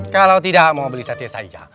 kalau tidak mau beli sate saja